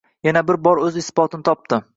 yana bir bor o‘z isbotini topdi.